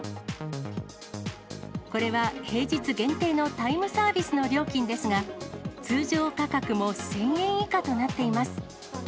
これは、平日限定のタイムサービスの料金ですが、通常価格も１０００円以下となっています。